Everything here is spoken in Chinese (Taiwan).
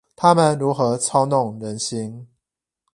他們如何操弄人心？